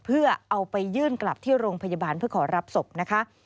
เพื่อเอาไปยื่นกลับที่โรงพยาบาลเพื่อขอรับศพนะคะ